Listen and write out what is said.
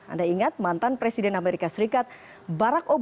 anda ingat mantan presiden amerika serikat barack obama